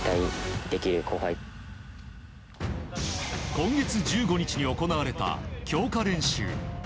今月１５日に行われた強化練習。